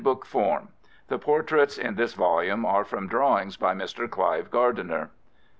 The portraits in this volume are from drawings by Mr. Clive Gardiner.